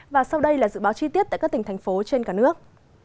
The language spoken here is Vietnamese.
và sau đây là dự báo chi tiết tại các tỉnh thành phố trên cả nước